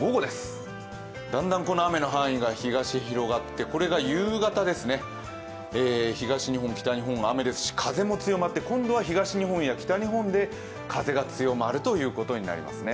午後です、だんだんこの雨の範囲が東へ広がってこれが夕方ですね、東日本、北日本は雨ですし、風も強まって今度は東日本や北日本で風が強まるということになります。